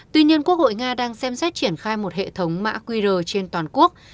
tuy nhiên quốc hội nga đang xem xét triển khai một hệ thống mã qr trên toàn quốc